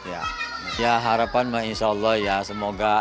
ya harapan insya allah ya semoga